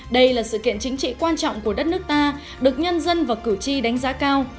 đây là sự kiện chính trị quan trọng của đất nước ta được nhân dân và cử tri đánh giá cao